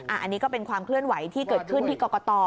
อันนี้ก็เป็นความเคลื่อนไหวที่เกิดขึ้นที่กรกต